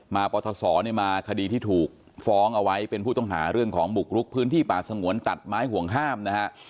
ปทศมาคดีที่ถูกฟ้องเอาไว้เป็นผู้ต้องหาเรื่องของบุกรุกพื้นที่ป่าสงวนตัดไม้ห่วงห้ามนะฮะ